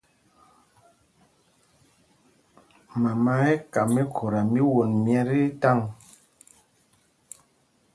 Mama ɛ́ ɛ́ ka míkhuta mí won myɛ́ tí taŋ.